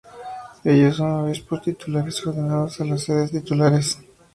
Ellos son obispos titulares ordenados a la sedes titulares.